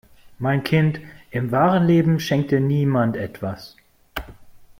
Mein Kind, im wahren Leben schenkt dir niemand etwas.